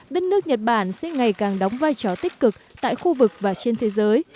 đất nước nhật bản sẽ ngày càng đóng vai trò tích cực tại khu vực và trên thế giới